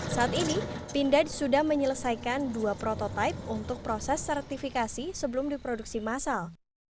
saat ini pindad sudah menyelesaikan dua prototipe untuk proses sertifikasi sebelum diproduksi masal